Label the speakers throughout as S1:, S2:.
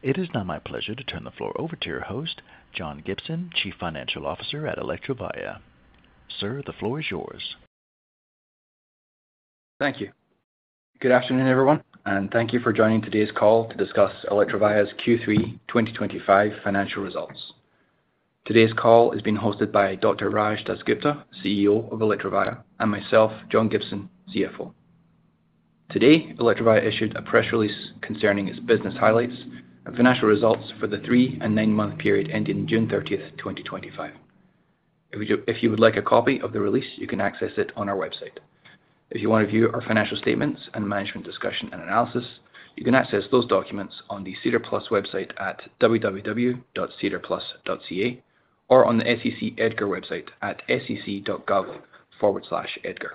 S1: It is now my pleasure to turn the floor over to your host, John Gibson, Chief Financial Officer at Electrovaya. Sir, the floor is yours.
S2: Thank you. Good afternoon, everyone, and thank you for joining today's call to discuss Electrovaya's Q3 2025 Financial Results. Today's call is being hosted by Dr. Raj DasGupta, CEO of Electrovaya, and myself, John Gibson, CFO. Today, Electrovaya issued a press release concerning its business highlights and financial results for the three and nine-month period ending June 30th 2025. If you would like a copy of the release, you can access it on our website. If you want to view our financial statements and management discussion and analysis, you can access those documents on the SEDAR+ website at www.sedarplus.ca or on the SEC EDGAR website at sec.gov/edgar.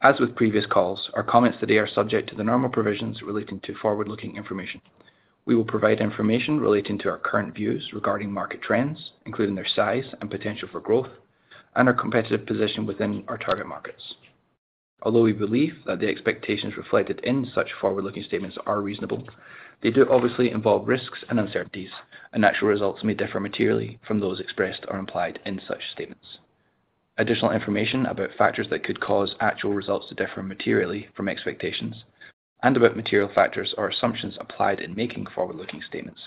S2: As with previous calls, our comments today are subject to the normal provisions relating to forward-looking information. We will provide information relating to our current views regarding market trends, including their size and potential for growth, and our competitive position within our target markets. Although we believe that the expectations reflected in such forward-looking statements are reasonable, they do obviously involve risks and uncertainties, and actual results may differ materially from those expressed or implied in such statements. Additional information about factors that could cause actual results to differ materially from expectations and about material factors or assumptions applied in making forward-looking statements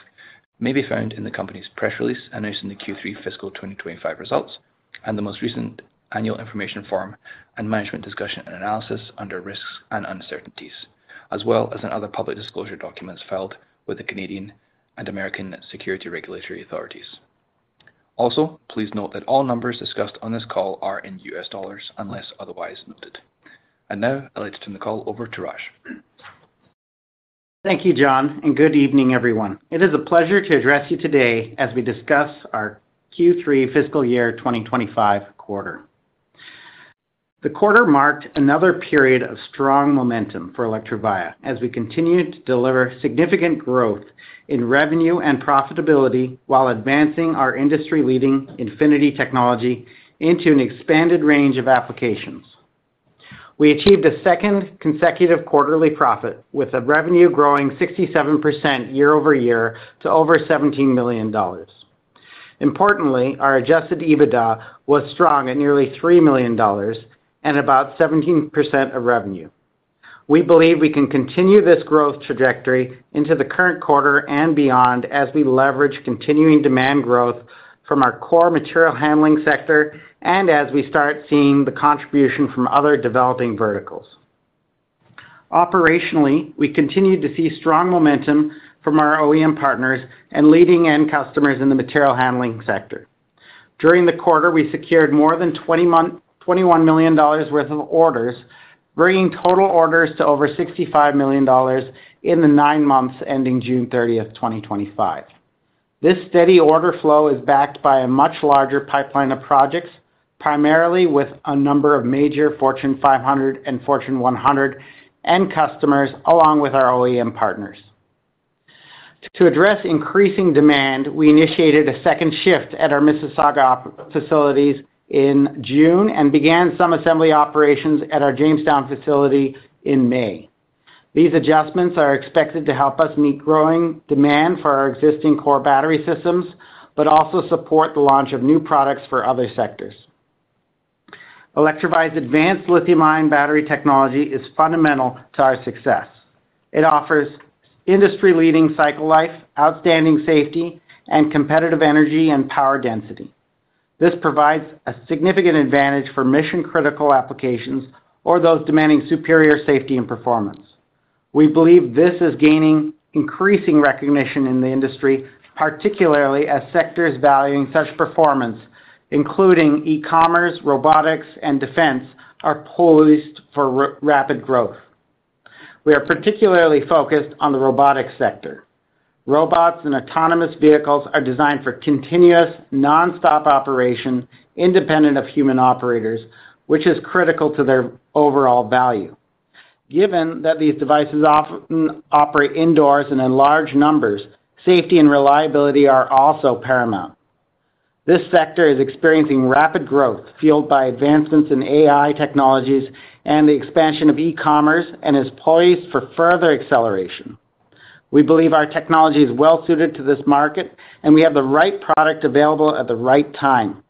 S2: may be found in the company's press release announcing the Q3 fiscal 2025 results and the most recent annual information form and management discussion and analysis under risks and uncertainties, as well as in other public disclosure documents filed with the Canadian and U.S. security regulatory authorities. Also, please note that all numbers discussed on this call are in US dollars unless otherwise noted. Now, I'll turn the call over to Raj.
S3: Thank you, John, and good evening, everyone. It is a pleasure to address you today as we discuss our Q3 fiscal year 2025 quarter. The quarter marked another period of strong momentum for Electrovaya as we continued to deliver significant growth in revenue and profitability while advancing our industry-leading Infinity technology into an expanded range of applications. We achieved a second consecutive quarterly profit with revenue growing 67% year-over-year to over $17 million. Importantly, our adjusted EBITDA was strong at nearly $3 million and about 17% of revenue. We believe we can continue this growth trajectory into the current quarter and beyond as we leverage continuing demand growth from our core material handling sector and as we start seeing the contribution from other developing verticals. Operationally, we continue to see strong momentum from our OEM partners and leading end customers in the material handling sector. During the quarter, we secured more than $21 million worth of orders, bringing total orders to over $65 million in the nine months ending June 30th 2025. This steady order flow is backed by a much larger pipeline of projects, primarily with a number of major Fortune 500 and Fortune 100 end customers along with our OEM partners. To address increasing demand, we initiated a second shift at our Mississauga facilities in June and began some assembly operations at our Jamestown facility in May. These adjustments are expected to help us meet growing demand for our existing core battery systems, but also support the launch of new products for other sectors. Electrovaya's advanced lithium-ion battery technology is fundamental to our success. It offers industry-leading cycle life, outstanding safety, and competitive energy and power density. This provides a significant advantage for mission-critical applications or those demanding superior safety and performance. We believe this is gaining increasing recognition in the industry, particularly as sectors valuing such performance, including e-commerce, robotics, and defense, are poised for rapid growth. We are particularly focused on the robotics sector. Robots and autonomous vehicles are designed for continuous, non-stop operation, independent of human operators, which is critical to their overall value. Given that these devices often operate indoors and in large numbers, safety and reliability are also paramount. This sector is experiencing rapid growth, fueled by advancements in AI technologies and the expansion of e-commerce, and is poised for further acceleration. We believe our technology is well suited to this market, and we have the right product available at the right time.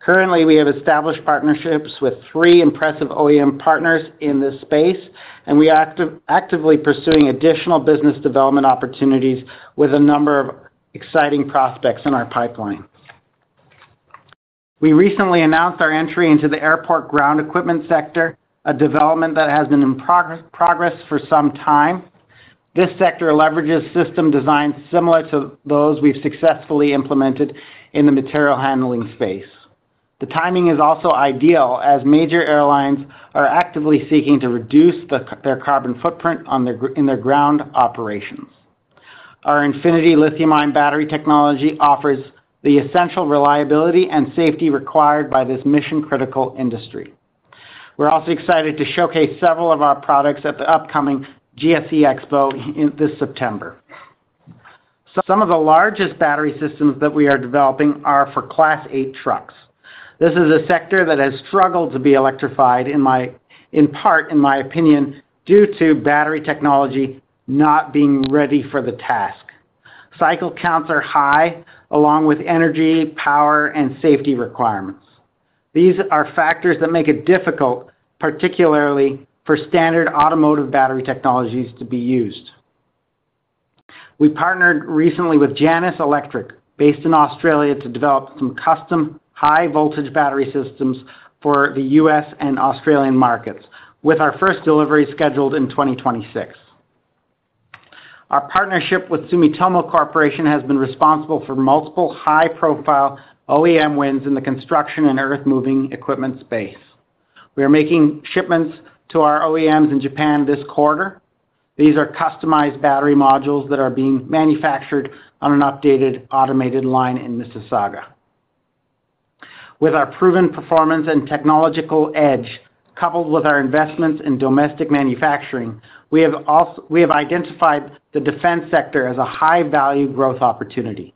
S3: Currently, we have established partnerships with three impressive OEM partners in this space, and we are actively pursuing additional business development opportunities with a number of exciting prospects in our pipeline. We recently announced our entry into the airport ground equipment sector, a development that has been in progress for some time. This sector leverages system designs similar to those we've successfully implemented in the material handling space. The timing is also ideal, as major airlines are actively seeking to reduce their carbon footprint in their ground operations. Our Infinity lithium-ion battery technology offers the essential reliability and safety required by this mission-critical industry. We're also excited to showcase several of our products at the upcoming GSE Expo this September. Some of the largest battery systems that we are developing are for Class 8 trucks. This is a sector that has struggled to be electrified, in part, in my opinion, due to battery technology not being ready for the task. Cycle counts are high, along with energy, power, and safety requirements. These are factors that make it difficult, particularly for standard automotive battery technologies to be used. We partnered recently with Janus Electric, based in Australia, to develop some custom high-voltage battery systems for the U.S. and Australian markets, with our first delivery scheduled in 2026. Our partnership with Sumitomo Corporation has been responsible for multiple high-profile OEM wins in the construction and earth-moving equipment space. We are making shipments to our OEMs in Japan this quarter. These are customized battery modules that are being manufactured on an updated automated line in Mississauga. With our proven performance and technological edge, coupled with our investments in domestic manufacturing, we have identified the defense sector as a high-value growth opportunity.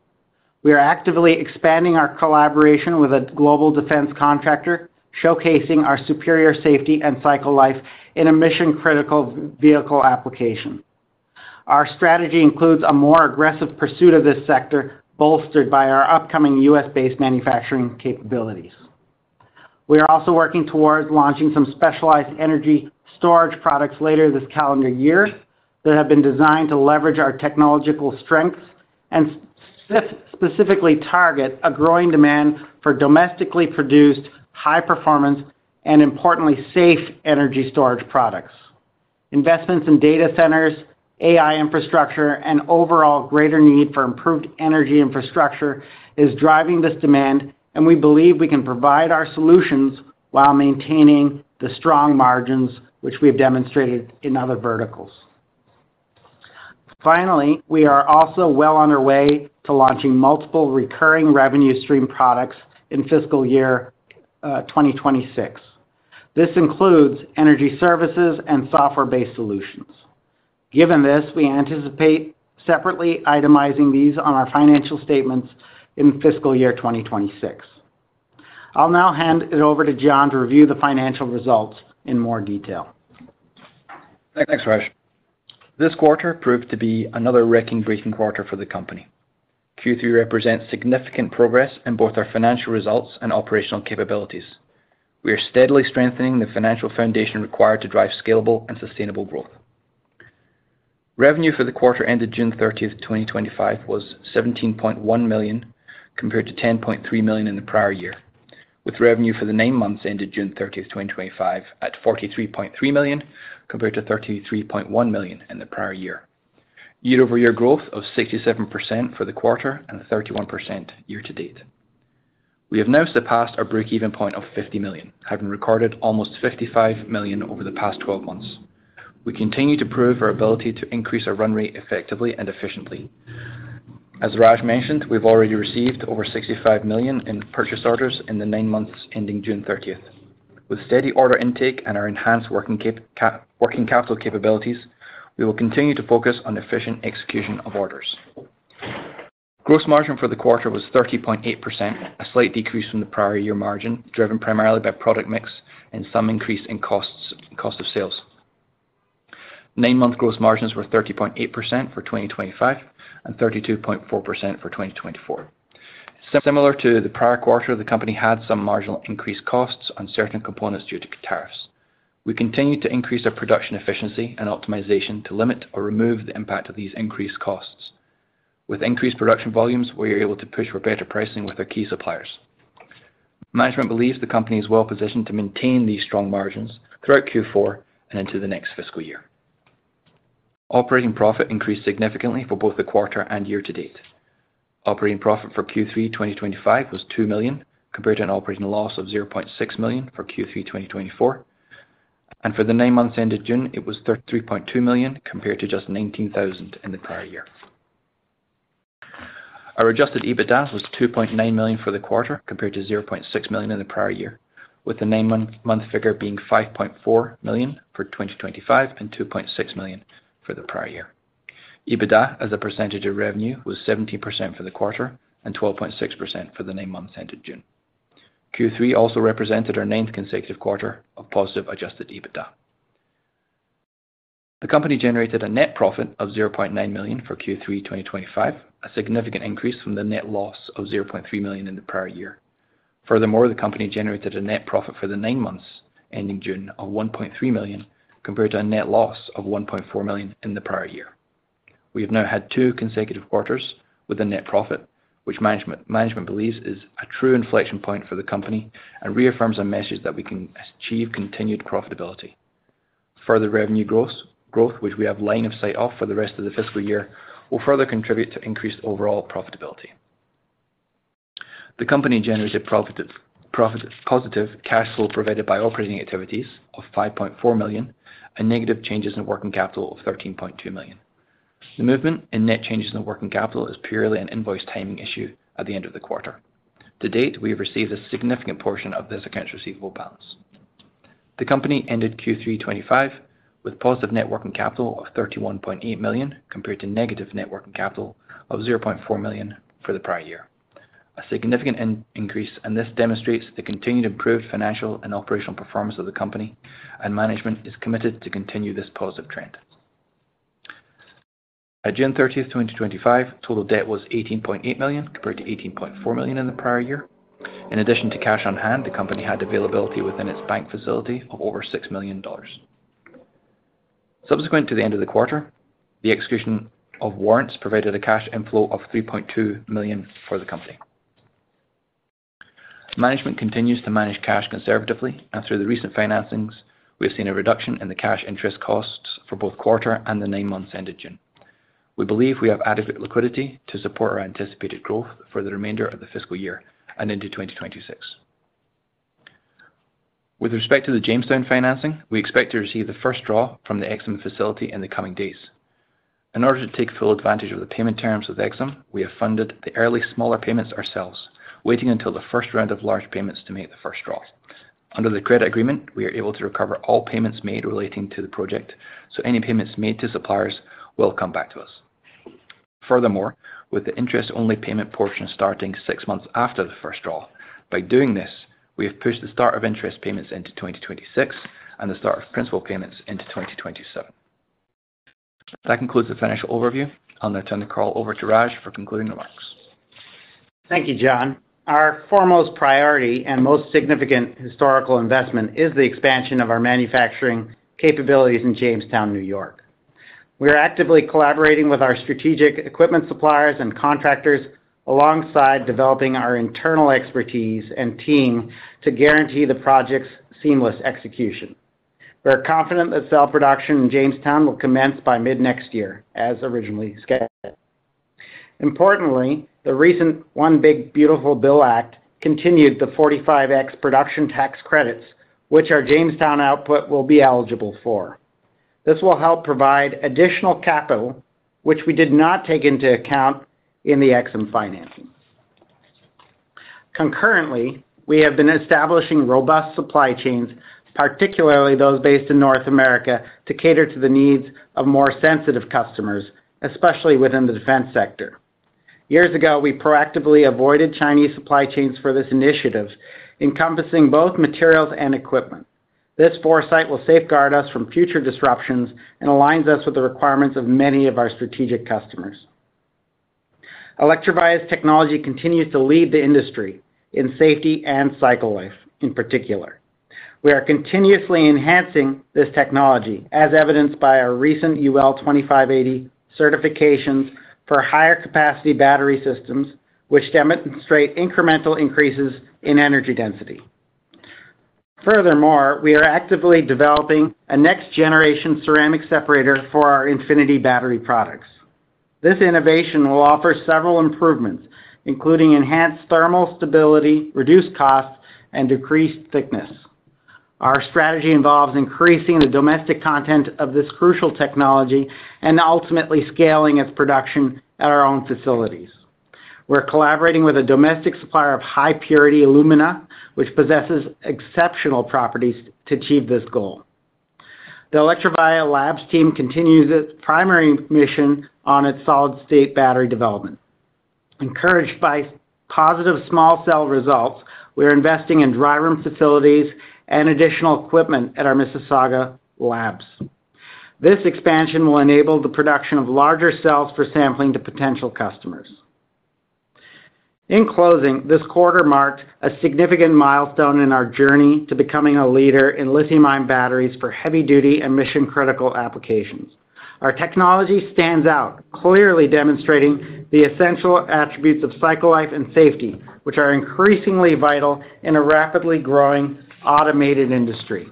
S3: We are actively expanding our collaboration with a global defense contractor, showcasing our superior safety and cycle life in a mission-critical vehicle application. Our strategy includes a more aggressive pursuit of this sector, bolstered by our upcoming U.S.-based manufacturing capabilities. We are also working towards launching some specialized energy storage products later this calendar year that have been designed to leverage our technological strengths and specifically target a growing demand for domestically produced high-performance and, importantly, safe energy storage products. Investments in data centers, AI infrastructure, and overall greater need for improved energy infrastructure are driving this demand, and we believe we can provide our solutions while maintaining the strong margins, which we have demonstrated in other verticals. Finally, we are also well on our way to launching multiple recurring revenue stream products in fiscal year 2026. This includes energy services and software-based solutions. Given this, we anticipate separately itemizing these on our financial statements in fiscal year 2026. I'll now hand it over to John to review the financial results in more detail.
S2: Thanks, Raj. This quarter proved to be another record-breaking quarter for the company. Q3 represents significant progress in both our financial results and operational capabilities. We are steadily strengthening the financial foundation required to drive scalable and sustainable growth. Revenue for the quarter ended June 30th 2025 was $17.1 million compared to $10.3 million in the prior year, with revenue for the nine months ended June 30th 2025 at $43.3 million compared to $33.1 million in the prior year. Year-over-year growth of 67% for the quarter and 31% year to date. We have now surpassed our break-even point of $50 million, having recorded almost $55 million over the past 12 months. We continue to prove our ability to increase our run rate effectively and efficiently. As Raj mentioned, we've already received over $65 million in purchase orders in the nine months ending June 30th. With steady order intake and our enhanced working capital capabilities, we will continue to focus on efficient execution of orders. Gross margin for the quarter was 30.8%, a slight decrease from the prior year margin, driven primarily by product mix and some increase in cost of sales. Nine-month gross margins were 30.8% for 2025 and 32.4% for 2024. Similar to the prior quarter, the company had some marginal increased costs on certain components due to tariffs. We continue to increase our production efficiency and optimization to limit or remove the impact of these increased costs. With increased production volumes, we are able to push for better pricing with our key suppliers. Management believes the company is well positioned to maintain these strong margins throughout Q4 and into the next fiscal year. Operating profit increased significantly for both the quarter and year to date. Operating profit for Q3 2025 was $2 million compared to an operating loss of $0.6 million for Q3 2024, and for the nine months ended June, it was $33.2 million compared to just $19,000 in the prior year. Our adjusted EBITDA was $2.9 million for the quarter compared to $0.6 million in the prior year, with the nine-month figure being $5.4 million for 2025 and $2.6 million for the prior year. EBITDA as a percentage of revenue was 17% for the quarter and 12.6% for the nine months ended June. Q3 also represented our ninth consecutive quarter of positive adjusted EBITDA. The company generated a net profit of $0.9 million for Q3 2025, a significant increase from the net loss of $0.3 million in the prior year. Furthermore, the company generated a net profit for the nine months ending June of $1.3 million compared to a net loss of $1.4 million in the prior year. We have now had two consecutive quarters with a net profit, which management believes is a true inflection point for the company and reaffirms our message that we can achieve continued profitability. Further revenue growth, which we have line of sight of for the rest of the fiscal year, will further contribute to increased overall profitability. The company generated positive cash flow provided by operating activities of $5.4 million and negative changes in net working capital of $13.2 million. The movement in net changes in the net working capital is purely an invoice timing issue at the end of the quarter. To date, we have received a significant portion of this accounts receivable balance. The company ended Q3 2025 with positive net working capital of $31.8 million compared to negative net working capital of $0.4 million for the prior year, a significant increase, and this demonstrates the continued improved financial and operational performance of the company, and management is committed to continue this positive trend. At June 30th 2025, total debt was $18.8 million compared to $18.4 million in the prior year. In addition to cash on hand, the company had availability within its bank facility of over $6 million. Subsequent to the end of the quarter, the execution of warrants provided a cash inflow of $3.2 million for the company. Management continues to manage cash conservatively, and through the recent financings, we have seen a reduction in the cash interest costs for both the quarter and the nine months ended June. We believe we have adequate liquidity to support our anticipated growth for the remainder of the fiscal year and into 2026. With respect to the Jamestown financing, we expect to receive the first draw from the Exxon facility in the coming days. In order to take full advantage of the payment terms with Exxon, we have funded the early smaller payments ourselves, waiting until the first round of large payments to make the first draw. Under the credit agreement, we are able to recover all payments made relating to the project, so any payments made to suppliers will come back to us. Furthermore, with the interest-only payment portion starting six months after the first draw, by doing this, we have pushed the start of interest payments into 2026 and the start of principal payments into 2027. That concludes the financial overview, and I'll now turn the call over to Raj for concluding remarks.
S3: Thank you, John. Our foremost priority and most significant historical investment is the expansion of our manufacturing capabilities in Jamestown, New York. We are actively collaborating with our strategic equipment suppliers and contractors, alongside developing our internal expertise and team to guarantee the project's seamless execution. We are confident that cell production in Jamestown will commence by mid-next year, as originally scheduled. Importantly, the recent One Big Beautiful Bill Act continued the 45x production tax credits, which our Jamestown output will be eligible for. This will help provide additional capital, which we did not take into account in the Exxon financing. Concurrently, we have been establishing robust supply chains, particularly those based in North America, to cater to the needs of more sensitive customers, especially within the defense sector. Years ago, we proactively avoided Chinese supply chains for this initiative, encompassing both materials and equipment. This foresight will safeguard us from future disruptions and aligns us with the requirements of many of our strategic customers. Electrovaya's technology continues to lead the industry in safety and cycle life, in particular. We are continuously enhancing this technology, as evidenced by our recent UL 2580 certifications for higher-capacity battery systems, which demonstrate incremental increases in energy density. Furthermore, we are actively developing a next-generation ceramic separator for our Infinity battery products. This innovation will offer several improvements, including enhanced thermal stability, reduced cost, and decreased thickness. Our strategy involves increasing the domestic content of this crucial technology and ultimately scaling its production at our own facilities. We're collaborating with a domestic supplier of high-purity alumina, which possesses exceptional properties to achieve this goal. The Electrovaya Labs team continues its primary mission on its solid-state battery development. Encouraged by positive small cell results, we are investing in dry room facilities and additional equipment at our Mississauga labs. This expansion will enable the production of larger cells for sampling to potential customers. In closing, this quarter marked a significant milestone in our journey to becoming a leader in lithium-ion batteries for heavy-duty and mission-critical applications. Our technology stands out, clearly demonstrating the essential attributes of cycle life and safety, which are increasingly vital in a rapidly growing automated industry.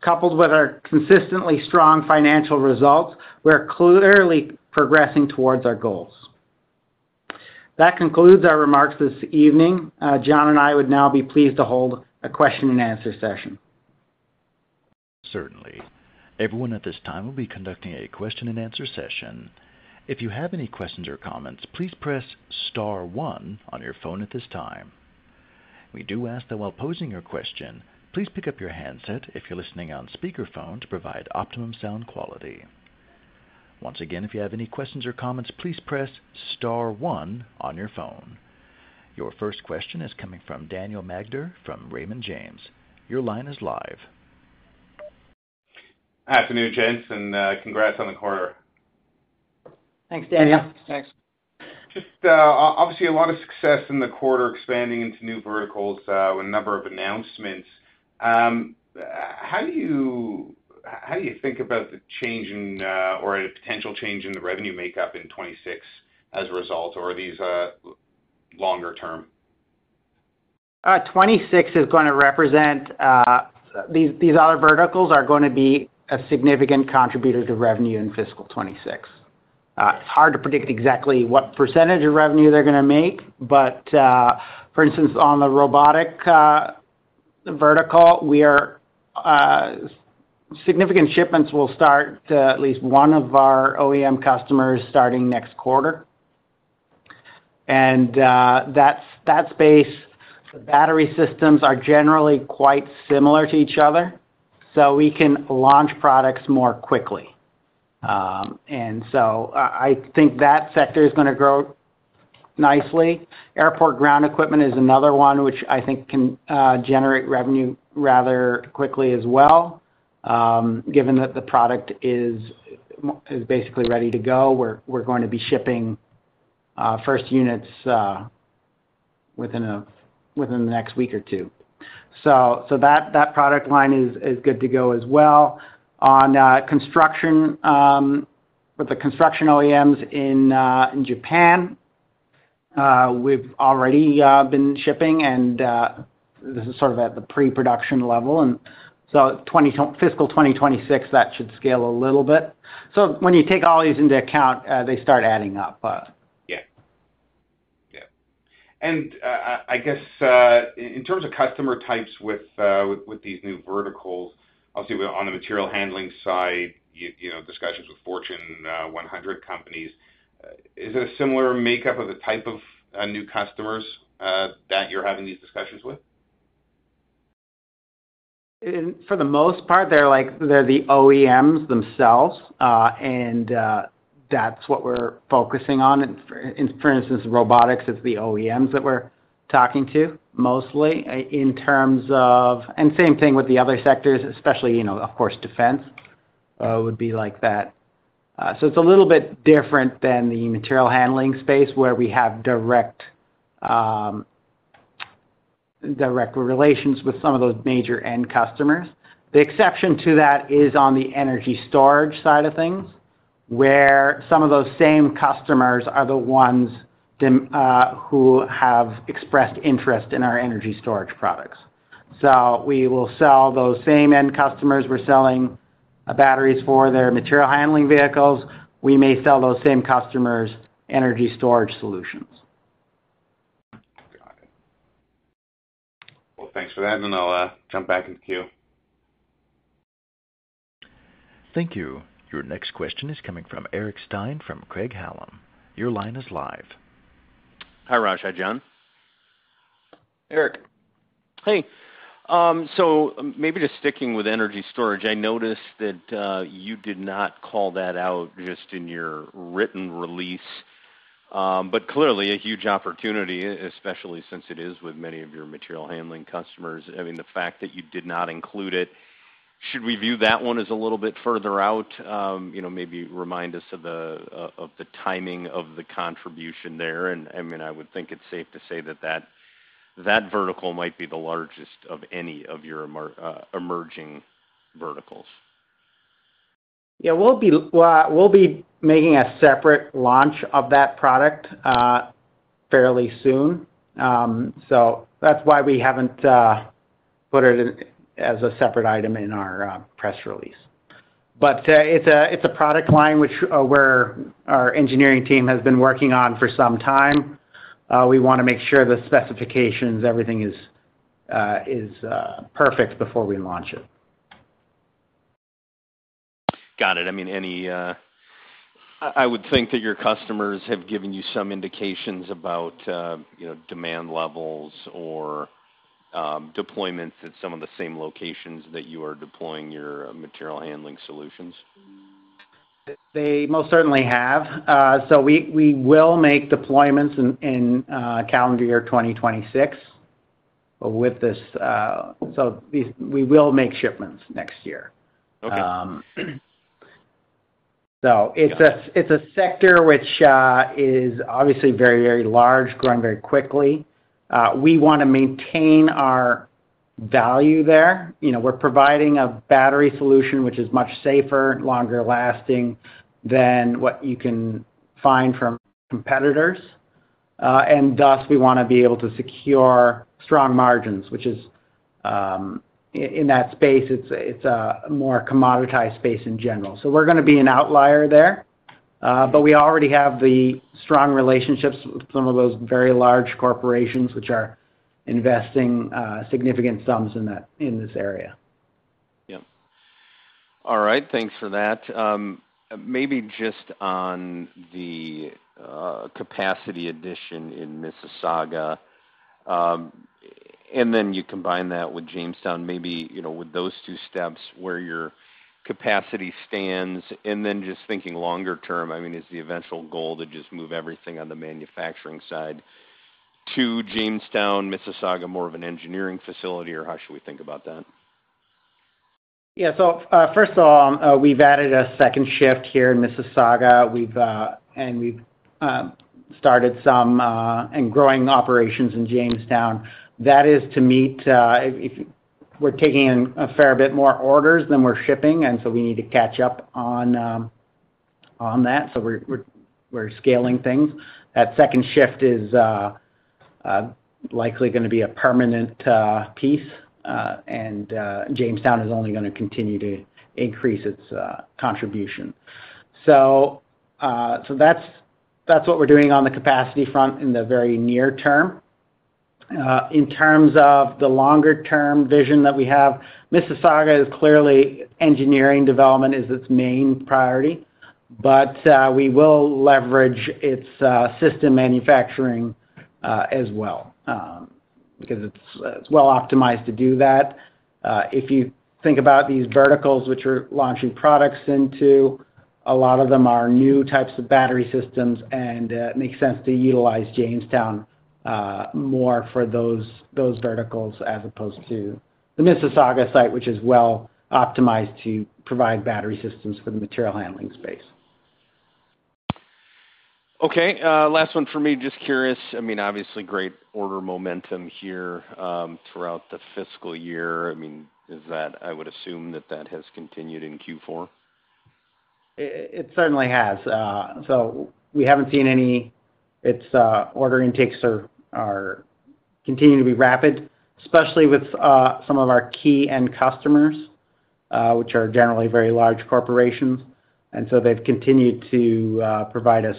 S3: Coupled with our consistently strong financial results, we are clearly progressing towards our goals. That concludes our remarks this evening. John and I would now be pleased to hold a question and answer session.
S1: Certainly. Everyone, at this time we will be conducting a question and answer session. If you have any questions or comments, please press star one on your phone at this time. We do ask that while posing your question, please pick up your handset if you're listening on speakerphone to provide optimum sound quality. Once again, if you have any questions or comments, please press star one on your phone. Your first question is coming from Daniel Magder from Raymond James. Your line is live.
S4: Afternoon, John, and congrats on the quarter.
S3: Thanks, Daniel.
S2: Thanks.
S4: Thanks. Obviously a lot of success in the quarter expanding into new verticals with a number of announcements. How do you think about the change in or a potential change in the revenue makeup in 2026 as a result, or are these longer term?
S3: 2026 is going to represent these other verticals are going to be a significant contributor to revenue in fiscal 2026. It's hard to predict exactly what percentage of revenue they're going to make, but for instance, on the robotic vertical, significant shipments will start to at least one of our OEM customers starting next quarter. In that space, the battery systems are generally quite similar to each other, so we can launch products more quickly. I think that sector is going to grow nicely. Airport ground equipment is another one which I think can generate revenue rather quickly as well, given that the product is basically ready to go. We're going to be shipping first units within the next week or two. That product line is good to go as well. On construction, for the construction OEMs in Japan, we've already been shipping, and this is at the pre-production level. In fiscal 2026, that should scale a little bit. When you take all these into account, they start adding up.
S4: Yeah. In terms of customer types with these new verticals, obviously on the material handling side, you know, discussions with Fortune 100 companies, is it a similar makeup of the type of new customers that you're having these discussions with?
S3: For the most part, they're like the OEMs themselves, and that's what we're focusing on. For instance, robotics, it's the OEMs that we're talking to mostly in terms of, and same thing with the other sectors, especially, of course, defense would be like that. It's a little bit different than the material handling space where we have direct relations with some of those major end customers. The exception to that is on the energy storage side of things, where some of those same customers are the ones who have expressed interest in our energy storage products. We will sell those same end customers we're selling batteries for their material handling vehicles. We may sell those same customers energy storage solutions.
S4: Got it. Thanks for that, and then I'll jump back into queue.
S1: Thank you. Your next question is coming from Eric Stine from Craig-Hallum. Your line is live.
S5: Hi, Raj. Hi, John.
S3: Eric.
S5: Maybe just sticking with energy storage, I noticed that you did not call that out just in your written release, but clearly a huge opportunity, especially since it is with many of your material handling customers. The fact that you did not include it, should we view that one as a little bit further out? You know, maybe remind us of the timing of the contribution there. I mean, I would think it's safe to say that that vertical might be the largest of any of your emerging verticals.
S3: We will be making a separate launch of that product fairly soon. That is why we haven't put it as a separate item in our press release. It's a product line which our engineering team has been working on for some time. We want to make sure the specifications, everything is perfect before we launch it.
S5: Got it. I mean, I would think that your customers have given you some indications about demand levels or deployments at some of the same locations that you are deploying your material handling solutions.
S3: They most certainly have. We will make deployments in calendar year 2026, and with this, we will make shipments next year.
S5: Okay.
S3: It is a sector which is obviously very, very large, growing very quickly. We want to maintain our value there. You know, we're providing a battery solution which is much safer, longer-lasting than what you can find from competitors. Thus, we want to be able to secure strong margins, which is in that space. It is a more commoditized space in general. We are going to be an outlier there. We already have the strong relationships with some of those very large corporations which are investing significant sums in this area.
S5: All right. Thanks for that. Maybe just on the capacity addition in Mississauga, and then you combine that with Jamestown, maybe, you know, with those two steps where your capacity stands. Then just thinking longer term, is the eventual goal to just move everything on the manufacturing side to Jamestown, Mississauga more of an engineering facility, or how should we think about that?
S3: Yeah. First of all, we've added a second shift here in Mississauga, and we've started some and growing operations in Jamestown. That is to meet if we're taking in a fair bit more orders than we're shipping, and we need to catch up on that. We're scaling things. That second shift is likely going to be a permanent piece, and Jamestown is only going to continue to increase its contribution. That's what we're doing on the capacity front in the very near term. In terms of the longer-term vision that we have, Mississauga is clearly engineering development is its main priority, but we will leverage its system manufacturing as well because it's well optimized to do that. If you think about these verticals which we're launching products into, a lot of them are new types of battery systems, and it makes sense to utilize Jamestown more for those verticals as opposed to the Mississauga site, which is well optimized to provide battery systems for the material handling space.
S5: Okay. Last one for me, just curious. I mean, obviously, great order momentum here throughout the fiscal year. I mean, is that, I would assume that that has continued in Q4?
S3: It certainly has. We haven't seen any. Order intakes are continuing to be rapid, especially with some of our key end customers, which are generally very large corporations. They've continued to provide us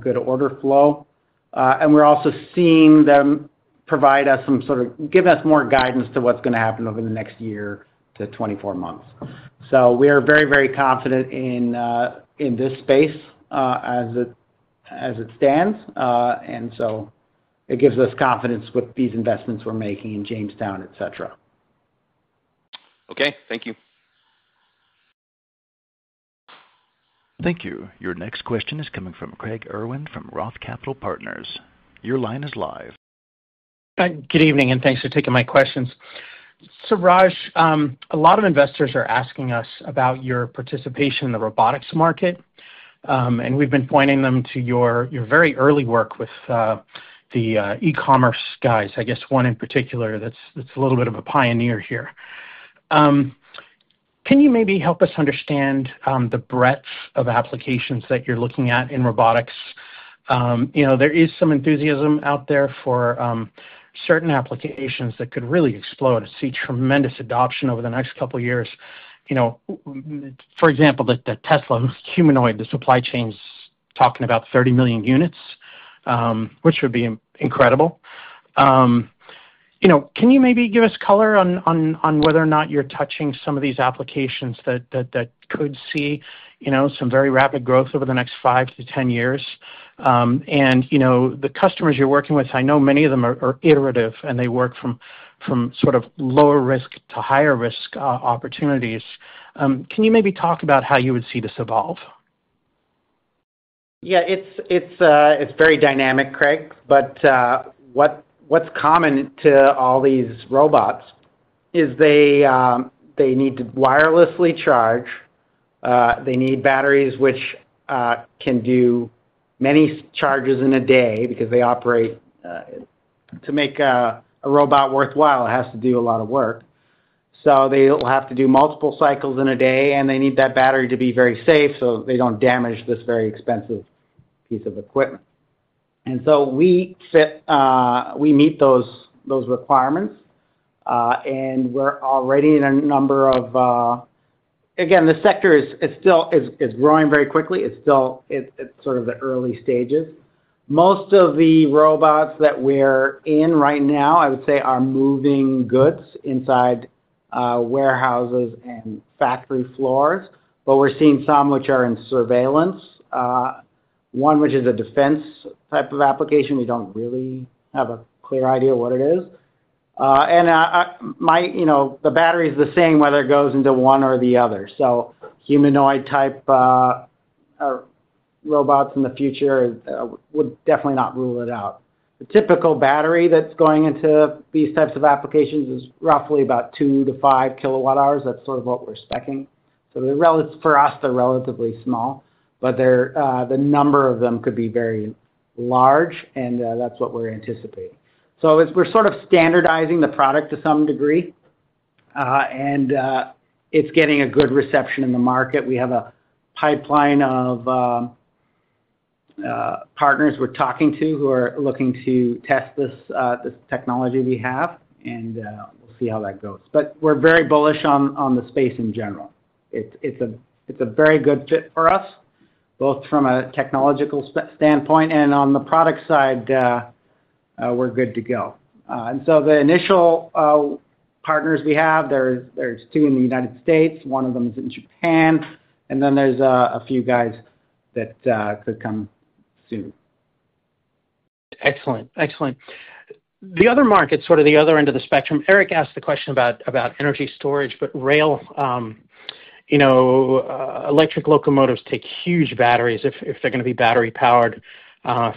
S3: good order flow. We're also seeing them provide us more guidance to what's going to happen over the next year to 24 months. We are very, very confident in this space as it stands. It gives us confidence with these investments we're making in Jamestown, et cetera.
S5: Okay, thank you.
S1: Thank you. Your next question is coming from Craig Irwin from Roth Capital. Your line is live.
S6: Good evening, and thanks for taking my questions. Raj, a lot of investors are asking us about your participation in the robotics market, and we've been pointing them to your very early work with the e-commerce guys, I guess one in particular that's a little bit of a pioneer here. Can you maybe help us understand the breadth of applications that you're looking at in robotics? There is some enthusiasm out there for certain applications that could really explode and see tremendous adoption over the next couple of years. For example, the Tesla humanoid, the supply chain's talking about 30 million units, which would be incredible. Can you maybe give us color on whether or not you're touching some of these applications that could see some very rapid growth over the next five to 10 years? The customers you're working with, I know many of them are iterative, and they work from sort of lower risk to higher risk opportunities. Can you maybe talk about how you would see this evolve?
S3: Yeah, it's very dynamic, Craig. What's common to all these robots is they need to wirelessly charge. They need batteries which can do many charges in a day because they operate to make a robot worthwhile. It has to do a lot of work. They will have to do multiple cycles in a day, and they need that battery to be very safe so they don't damage this very expensive piece of equipment. We fit, we meet those requirements, and we're already in a number of, again, the sector is still growing very quickly. It's still sort of the early stages. Most of the robots that we're in right now, I would say, are moving goods inside warehouses and factory floors, but we're seeing some which are in surveillance. One which is a defense type of application. We don't really have a clear idea of what it is. The battery is the same whether it goes into one or the other. Humanoid type robots in the future would definitely not rule it out. The typical battery that's going into these types of applications is roughly about 2kW to 5 kW hours. That's sort of what we're speccing. For us, they're relatively small, but the number of them could be very large, and that's what we're anticipating. We're sort of standardizing the product to some degree, and it's getting a good reception in the market. We have a pipeline of partners we're talking to who are looking to test this technology we have, and we'll see how that goes. We're very bullish on the space in general. It's a very good fit for us, both from a technological standpoint and on the product side. We're good to go. The initial partners we have, there's two in the United States. One of them is in Japan, and then there's a few guys that could come soon.
S6: Excellent. Excellent. The other markets, sort of the other end of the spectrum, Eric asked the question about energy storage, but rail, you know, electric locomotives take huge batteries if they're going to be battery powered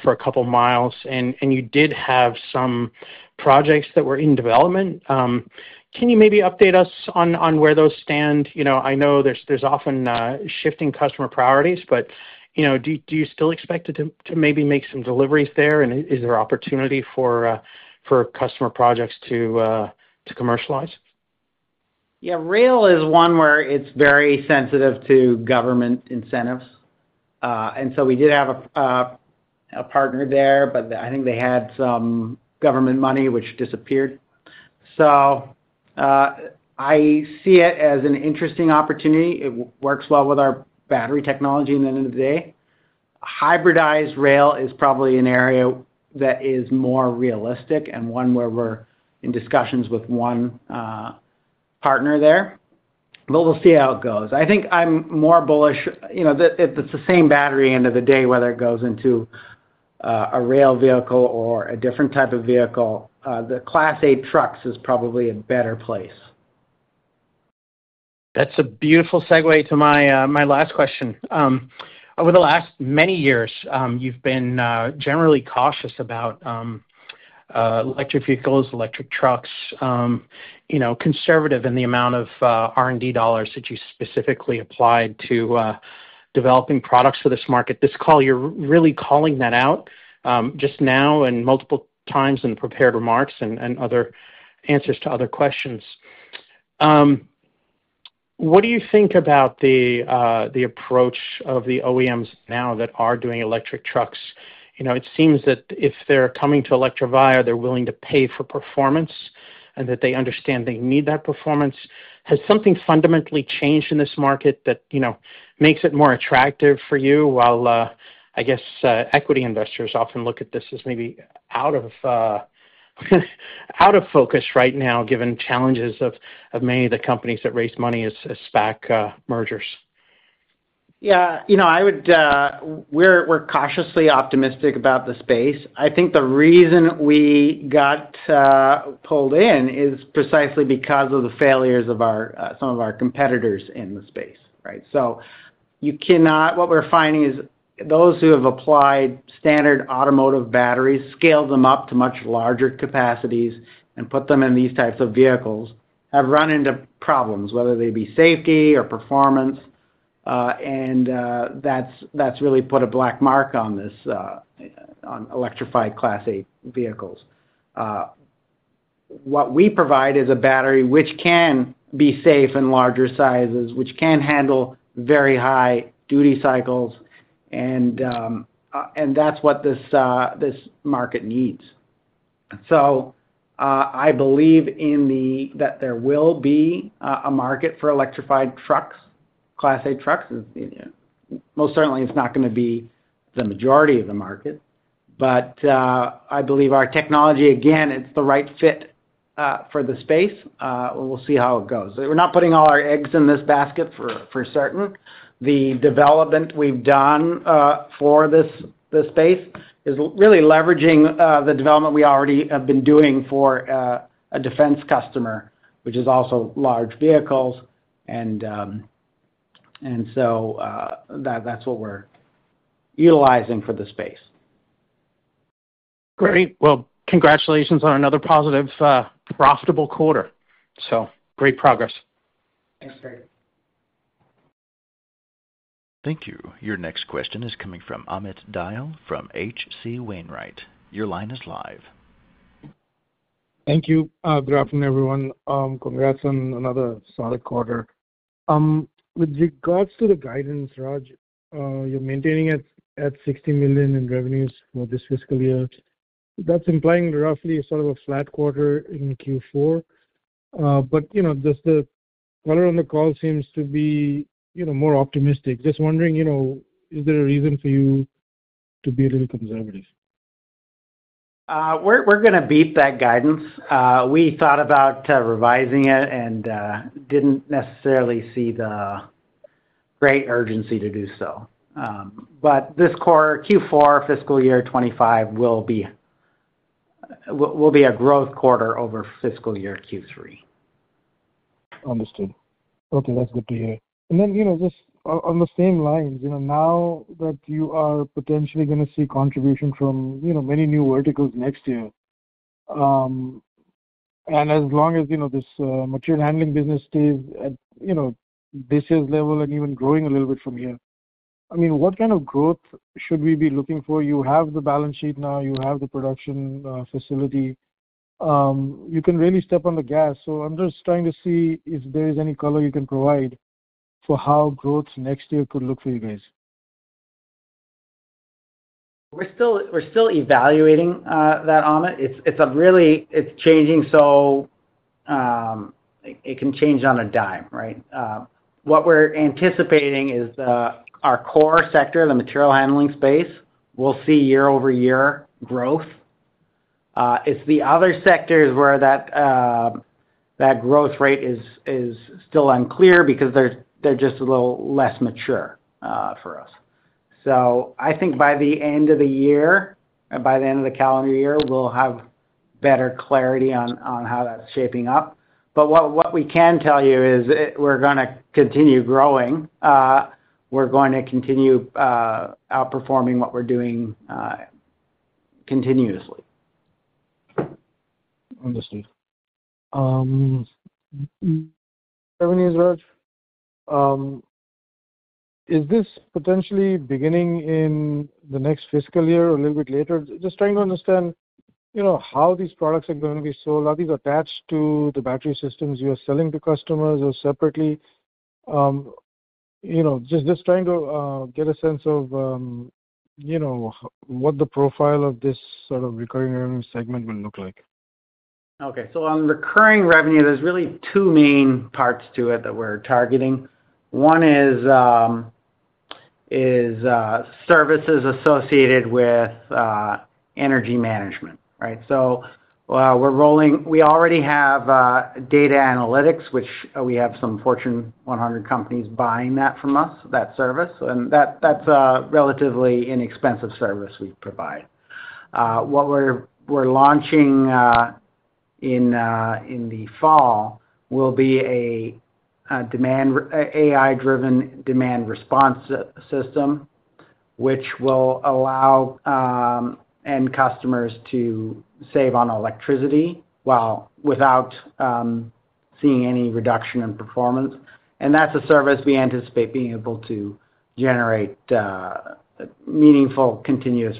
S6: for a couple of miles. You did have some projects that were in development. Can you maybe update us on where those stand? I know there's often shifting customer priorities, but do you still expect it to maybe make some deliveries there? Is there opportunity for customer projects to commercialize?
S3: Yeah, rail is one where it's very sensitive to government incentives. We did have a partner there, but I think they had some government money which disappeared. I see it as an interesting opportunity. It works well with our battery technology in the end of the day. Hybridized rail is probably an area that is more realistic and one where we're in discussions with one partner there. We'll see how it goes. I think I'm more bullish. You know, it's the same battery end of the day, whether it goes into a rail vehicle or a different type of vehicle. The Class 8 trucks is probably a better place.
S6: That's a beautiful segue to my last question. Over the last many years, you've been generally cautious about electric vehicles, electric trucks, you know, conservative in the amount of R&D dollars that you specifically applied to developing products for this market. This call, you're really calling that out just now and multiple times in prepared remarks and other answers to other questions. What do you think about the approach of the OEMs now that are doing electric trucks? It seems that if they're coming to Electrovaya, they're willing to pay for performance and that they understand they need that performance. Has something fundamentally changed in this market that makes it more attractive for you? I guess equity investors often look at this as maybe out of focus right now, given challenges of many of the companies that raise money as SPAC mergers.
S3: Yeah, you know, we're cautiously optimistic about the space. I think the reason we got pulled in is precisely because of the failures of some of our competitors in the space. You cannot, what we're finding is those who have applied standard automotive batteries, scaled them up to much larger capacities, and put them in these types of vehicles have run into problems, whether they be safety or performance. That has really put a black mark on this, on electrified Class 8 vehicles. What we provide is a battery which can be safe in larger sizes, which can handle very high duty cycles, and that's what this market needs. I believe that there will be a market for electrified trucks, Class 8 trucks. Most certainly, it's not going to be the majority of the market. I believe our technology, again, it's the right fit for the space. We'll see how it goes. We're not putting all our eggs in this basket for certain. The development we've done for this space is really leveraging the development we already have been doing for a defense customer, which is also large vehicles. That's what we're utilizing for the space.
S6: Great. Congratulations on another positive, profitable quarter. Great progress.
S3: Thanks, Craig.
S1: Thank you. Your next question is coming from Amit Dayal from H.C. Wainwright. Your line is live.
S7: Thank you. Good afternoon, everyone. Congrats on another solid quarter. With regards to the guidance, Raj, you're maintaining at $60 million in revenues for this fiscal year. That's implying roughly sort of a flat quarter in Q4. The runner on the call seems to be more optimistic. Just wondering, is there a reason for you to be a little conservative?
S3: We're going to beat that guidance. We thought about revising it and didn't necessarily see the great urgency to do so. This quarter, Q4, fiscal year 2025 will be a growth quarter over fiscal year Q3.
S7: Understood. Okay, that's good to hear. Just on the same lines, now that you are potentially going to see contribution from many new verticals next year, as long as this material handling business stays at business level and even growing a little bit from here, I mean, what kind of growth should we be looking for? You have the balance sheet now. You have the production facility. You can really step on the gas. I'm just trying to see if there is any color you can provide for how growth next year could look for you guys.
S3: We're still evaluating that, Amit. It's really, it's changing, so it can change on a dime, right? What we're anticipating is our core sector, the material handling space, will see year-over-year growth. It's the other sectors where that growth rate is still unclear because they're just a little less mature for us. I think by the end of the year, by the end of the calendar year, we'll have better clarity on how that's shaping up. What we can tell you is we're going to continue growing. We're going to continue outperforming what we're doing continuously.
S7: Understood. Revenues, Raj. Is this potentially beginning in the next fiscal year or a little bit later? Just trying to understand how these products are going to be sold. Are these attached to the battery systems you're selling to customers or separately? Just trying to get a sense of what the profile of this sort of recurring revenue segment will look like.
S3: Okay. On recurring revenue, there's really two main parts to it that we're targeting. One is services associated with energy management, right? We're rolling, we already have data analytics, which we have some Fortune 100 companies buying that from us, that service. That's a relatively inexpensive service we provide. What we're launching in the fall will be an AI-driven demand response system, which will allow end customers to save on electricity without seeing any reduction in performance. That's a service we anticipate being able to generate meaningful, continuous,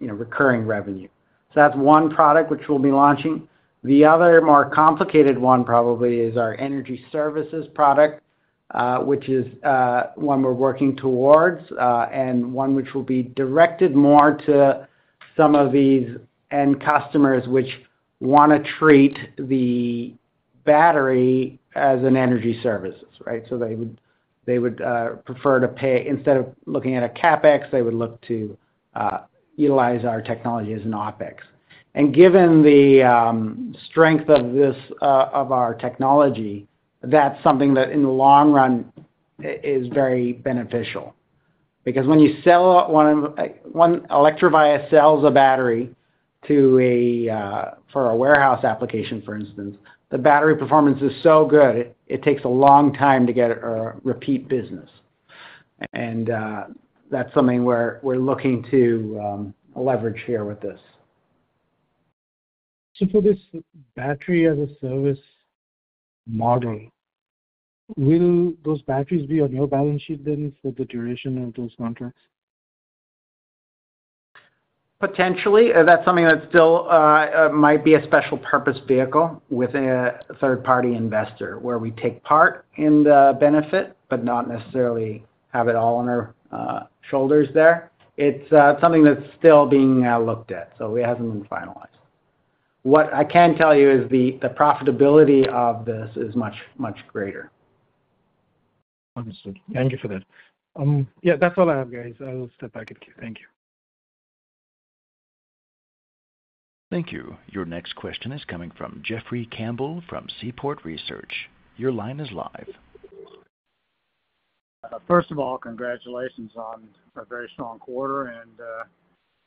S3: recurring revenue. That's one product which we'll be launching. The other more complicated one probably is our energy services product, which is one we're working towards and one which will be directed more to some of these end customers which want to treat the battery as an energy service, right? They would prefer to pay, instead of looking at a CapEx, they would look to utilize our technology as an OpEx. Given the strength of our technology, that's something that in the long run is very beneficial. When Electrovaya sells a battery for a warehouse application, for instance, the battery performance is so good, it takes a long time to get repeat business. That's something we're looking to leverage here with this.
S7: For this battery as a service model, will those batteries be on your balance sheet then for the duration of those contracts?
S3: Potentially. That's something that still might be a special purpose vehicle with a third-party investor where we take part in the benefit, but not necessarily have it all on our shoulders there. It's something that's still being looked at, so it hasn't been finalized. What I can tell you is the profitability of this is much, much greater.
S7: Understood. Thank you for that. That's all I have, guys. I'll step back on queue. Thank you.
S1: Thank you. Your next question is coming from Jeffrey Campbell from Seaport Research Partners. Your line is live.
S8: First of all, congratulations on a very strong quarter, and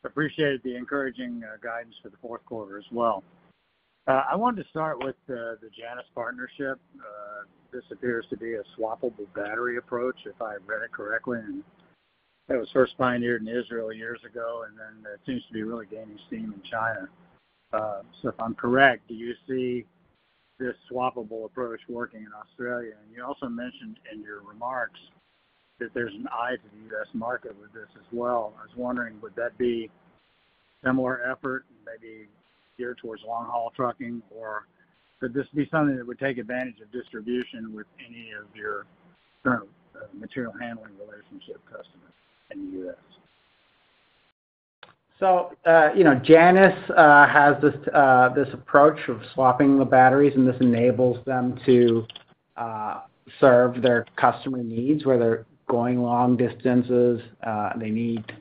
S8: I appreciated the encouraging guidance for the fourth quarter as well. I wanted to start with the Janus partnership. This appears to be a swappable battery approach, if I read it correctly. It was first pioneered in Israel years ago, and it seems to be really gaining steam in China. If I'm correct, do you see this swappable approach working in Australia? You also mentioned in your remarks that there's an eye to the U.S. market with this as well. I was wondering, would that be a similar effort, maybe geared towards long-haul trucking, or could this be something that would take advantage of distribution with any of your current material handling relationship customers in the U.S.?
S3: Janus has this approach of swapping the batteries, and this enables them to serve their customer needs where they're going long distances. They need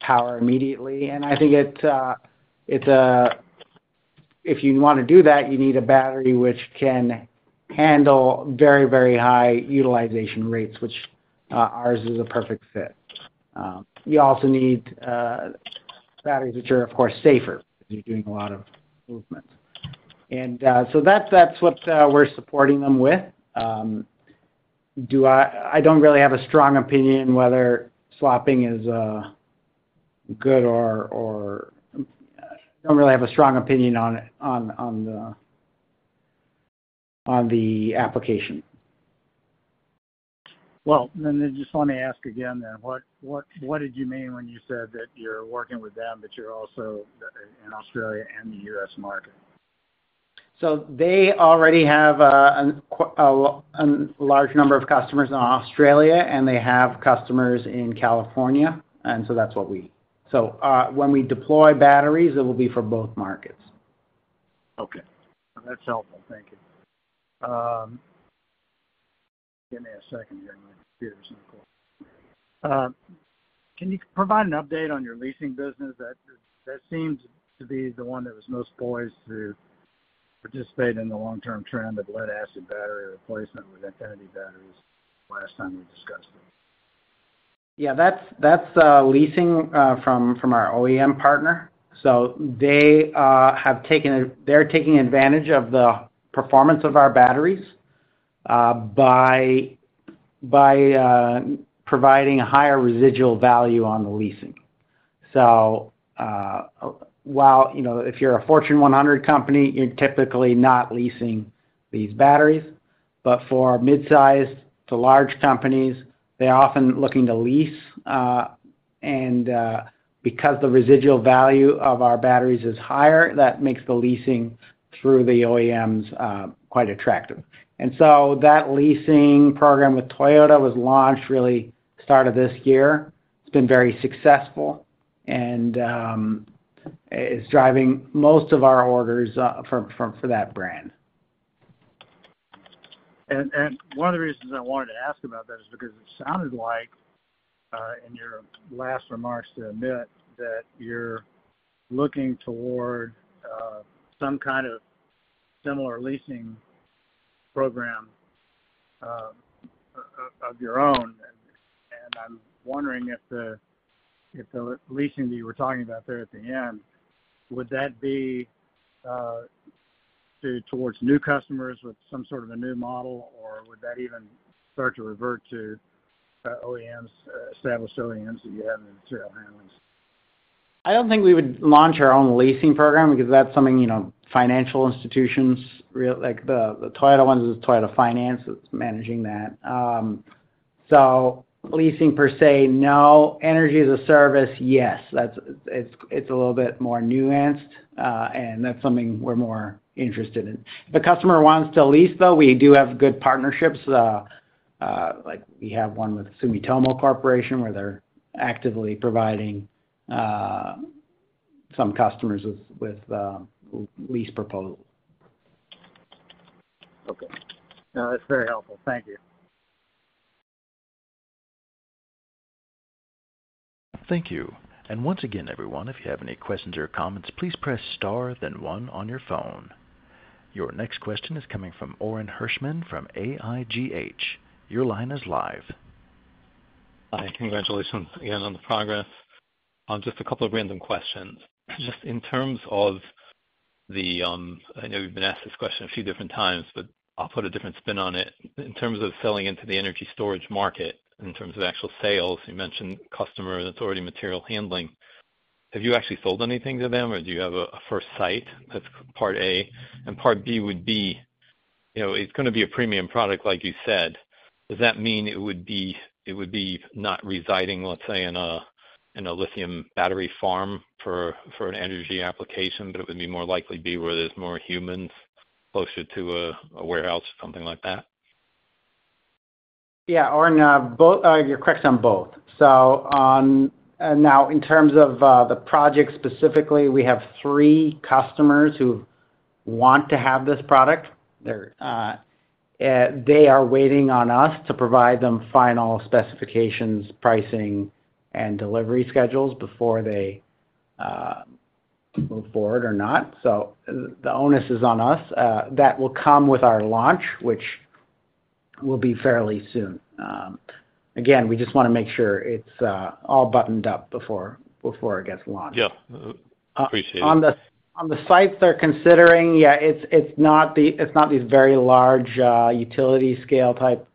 S3: power immediately. I think if you want to do that, you need a battery which can handle very, very high utilization rates, which ours is a perfect fit. You also need batteries which are, of course, safer because you're doing a lot of movement. That's what we're supporting them with. I don't really have a strong opinion whether swapping is good or I don't really have a strong opinion on the application.
S8: I just want to ask again, what did you mean when you said that you're working with them, but you're also in Australia and the U.S. market?
S3: They already have a large number of customers in Australia, and they have customers in California. When we deploy batteries, it will be for both markets.
S8: Okay. That's helpful. Thank you. Give me a second here. Can you provide an update on your leasing business? That seemed to be the one that was most poised to participate in the long-term trend of lead-acid battery replacement with Infinity battery technology last time we discussed it.
S3: Yeah, that's leasing from our OEM partner. They have taken it, they're taking advantage of the performance of our batteries by providing a higher residual value on the leasing. If you're a Fortune 100 company, you're typically not leasing these batteries. For midsize to large companies, they're often looking to lease. Because the residual value of our batteries is higher, that makes the leasing through the OEMs quite attractive. That leasing program with Toyota was launched, really started this year. It's been very successful and is driving most of our orders for that brand.
S8: One of the reasons I wanted to ask about that is because it sounded like in your last remarks to Amit that you're looking toward some kind of similar leasing program of your own. I'm wondering if the leasing that you were talking about there at the end, would that be towards new customers with some sort of a new model, or would that even start to revert to established OEMs that you have in the material handling?
S3: I don't think we would launch our own leasing program because that's something, you know, financial institutions really, like the Toyota ones, it's Toyota Finance that's managing that. Leasing per se, no. Energy as a service, yes. It's a little bit more nuanced, and that's something we're more interested in. If a customer wants to lease, though, we do have good partnerships. Like we have one with Sumitomo Corporation where they're actively providing some customers with lease proposals.
S4: Okay, that's very helpful. Thank you.
S1: Thank you. Once again, everyone, if you have any questions or comments, please press star then one on your phone. Your next question is coming from Orin Hirschman from AIGH. Your line is live.
S9: Hi. Congratulations again on the progress. Just a couple of random questions. In terms of the, I know you've been asked this question a few different times, but I'll put a different spin on it. In terms of selling into the energy storage market, in terms of actual sales, you mentioned customer that's already material handling. Have you actually sold anything to them, or do you have a first site? That's part A. Part B would be, you know, it's going to be a premium product, like you said. Does that mean it would be, it would be not residing, let's say, in a lithium battery farm for an energy application, but it would be more likely to be where there's more humans closer to a warehouse or something like that?
S3: Yeah, Orin, your question on both. In terms of the project specifically, we have three customers who want to have this product. They are waiting on us to provide them final specifications, pricing, and delivery schedules before they move forward or not. The onus is on us. That will come with our launch, which will be fairly soon. We just want to make sure it's all buttoned up before it gets launched.
S9: Yeah, appreciate it.
S3: On the sites they're considering, yeah, it's not these very large utility scale type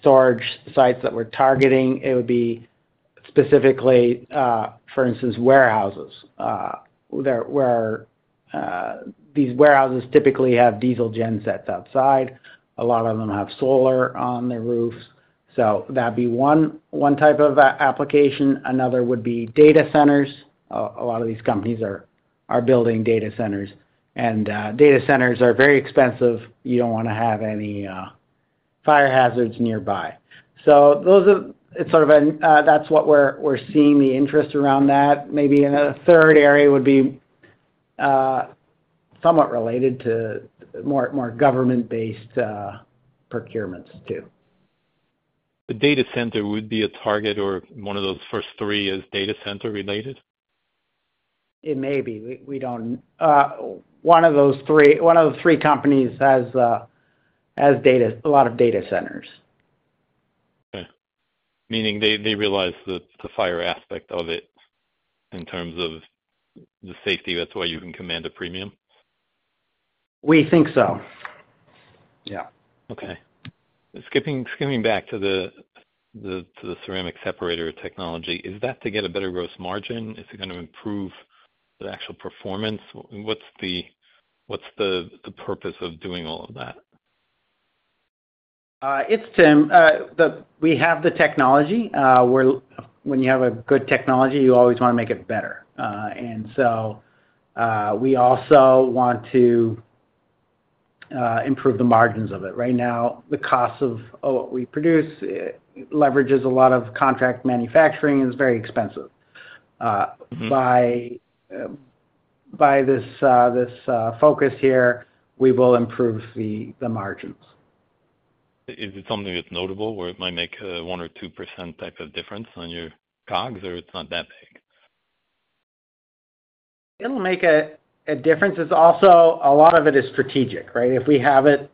S3: storage sites that we're targeting. It would be specifically, for instance, warehouses, where these warehouses typically have diesel gen sets outside. A lot of them have solar on their roofs. That'd be one type of application. Another would be data centers. A lot of these companies are building data centers, and data centers are very expensive. You don't want to have any fire hazards nearby. That's what we're seeing, the interest around that. Maybe in a third area would be somewhat related to more government-based procurements too.
S9: The data center would be a target, or one of those first three is data center related?
S3: It may be. We don't, one of those three, one of the three companies has a lot of data centers.
S9: Okay. Meaning they realize the fire aspect of it in terms of the safety. That's why you can command a premium?
S3: We think so.
S9: Yeah. Okay. Skipping back to the ceramic separator technology, is that to get a better gross margin? Is it going to improve the actual performance? What's the purpose of doing all of that?
S3: We have the technology. When you have a good technology, you always want to make it better. We also want to improve the margins of it. Right now, the cost of what we produce leverages a lot of contract manufacturing and is very expensive. By this focus here, we will improve the margins.
S9: Is it something that's notable where it might make a 1% or 2% type of difference on your COGs, or it's not that big?
S3: It'll make a difference. It's also, a lot of it is strategic, right? If we have it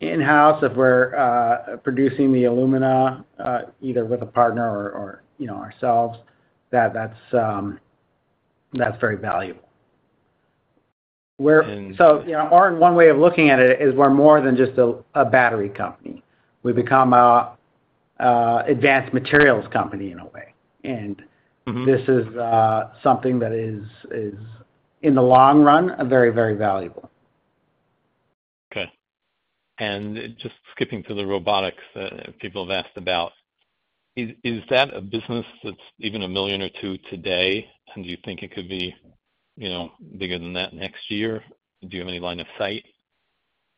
S3: in-house, if we're producing the alumina either with a partner or ourselves, that's very valuable. You know, Orin, one way of looking at it is we're more than just a battery company. We become an advanced materials company in a way. This is something that is, in the long run, very, very valuable.
S9: Okay. Just skipping to the robotics that people have asked about, is that a business that's even $1 million or $2 million today? Do you think it could be bigger than that next year? Do you have any line of sight?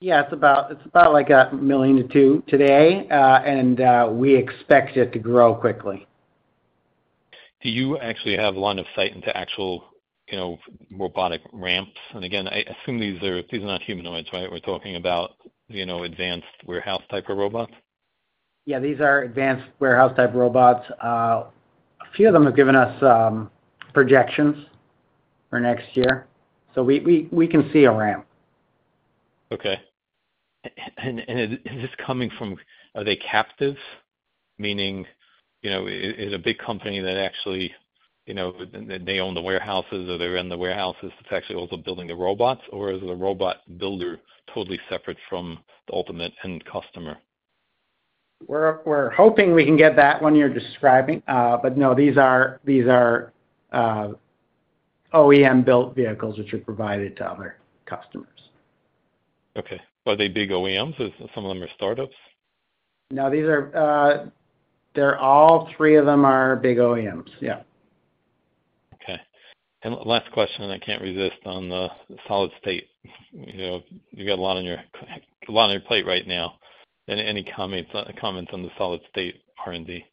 S3: Yeah, it's about $1 million to $2 million today, and we expect it to grow quickly.
S9: Do you actually have a line of sight into actual robotic ramps? I assume these are not humanoids, right? We're talking about advanced warehouse type of robots.
S3: Yeah, these are advanced warehouse-type robots. A few of them have given us projections for next year, so we can see a ramp.
S9: Is this coming from, are they captive? Meaning, you know, is a big company that actually, you know, they own the warehouses or they run the warehouses that's actually also building the robots, or is the robot builder totally separate from the ultimate end customer?
S3: We're hoping we can get that one you're describing. No, these are OEM-built vehicles which are provided to other customers.
S9: Okay. Are they big OEMs? Some of them are startups?
S3: No, all three of them are big OEMs. Yeah.
S9: Okay. Last question, and I can't resist on the solid-state. You've got a lot on your plate right now. Any comments on the solid-state R&D?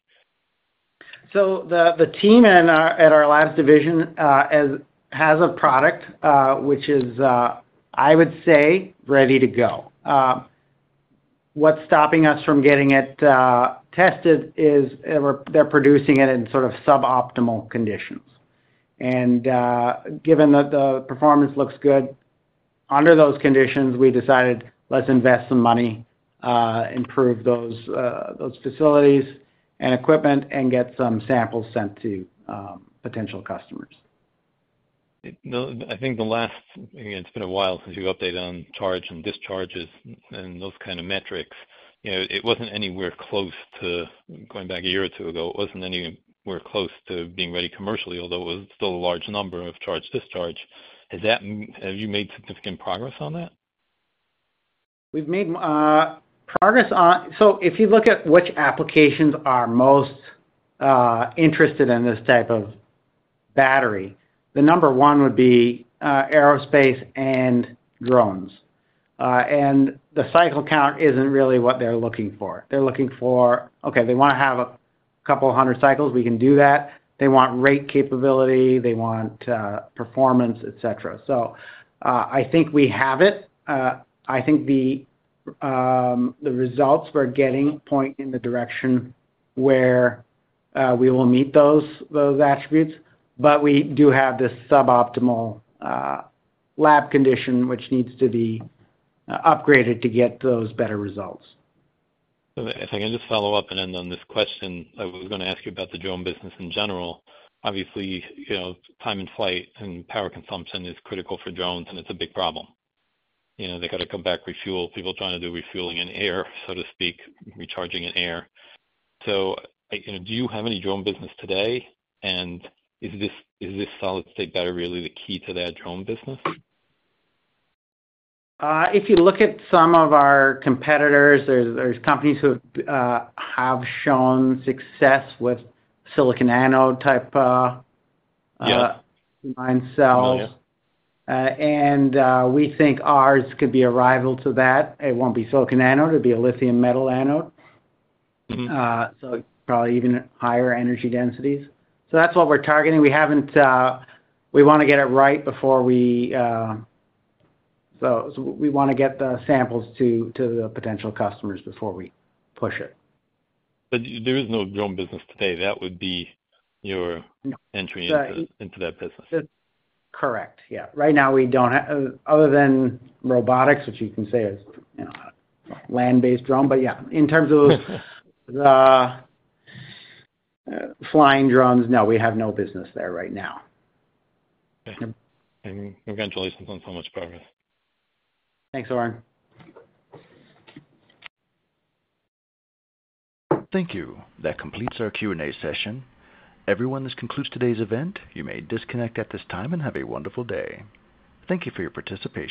S3: The team at our Labs division has a product which is, I would say, ready to go. What's stopping us from getting it tested is they're producing it in sort of suboptimal conditions. Given that the performance looks good under those conditions, we decided let's invest some money, improve those facilities and equipment, and get some samples sent to potential customers.
S9: I think the last, again, it's been a while since you updated on charge and discharges and those kind of metrics. You know, it wasn't anywhere close to, going back a year or two ago, it wasn't anywhere close to being ready commercially, although it was still a large number of charge discharge. Have you made significant progress on that?
S3: We've made progress on, if you look at which applications are most interested in this type of battery, the number one would be aerospace and drones. The cycle count isn't really what they're looking for. They're looking for, okay, they want to have a couple hundred cycles. We can do that. They want rate capability. They want performance, etc. I think we have it. I think the results we're getting point in the direction where we will meet those attributes, but we do have this suboptimal lab condition, which needs to be upgraded to get those better results.
S9: If I can just follow up and end on this question, I was going to ask you about the drone business in general. Obviously, you know, time in flight and power consumption is critical for drones, and it's a big problem. They got to come back, refuel, people trying to do refueling in air, so to speak, recharging in air. Do you have any drone business today? Is this solid-state battery really the key to that drone business?
S3: If you look at some of our competitors, there's companies who have shown success with silicon anode type mine cells. We think ours could be a rival to that. It won't be silicon anode. It'd be a lithium metal anode, probably even higher energy densities. That's what we're targeting. We want to get it right before we get the samples to the potential customers before we push it.
S9: There is no drone business today. That would be your entry into that business.
S3: Correct. Right now, we don't have, other than robotics, which you can say is, you know, a land-based drone. In terms of flying drones, no, we have no business there right now.
S9: Congratulations on so much progress.
S3: Thanks, Orin.
S1: Thank you. That completes our Q&A session. Everyone, this concludes today's event. You may disconnect at this time and have a wonderful day. Thank you for your participation.